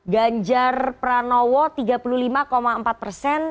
ganjar pranowo tiga puluh lima empat persen